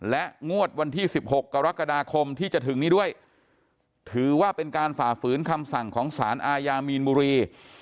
และงวดวันที่๑๖กรกฎาคมที่จะถึงนี้ด้วยถือว่าเป็นการฝ่าฝืนคำสั่งของสารอาญามีนบุรี